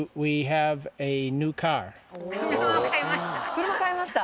車を買いました。